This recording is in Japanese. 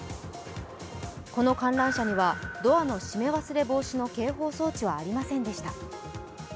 この観覧車にはドアの閉め忘れ防止の警報装置はありませんでした。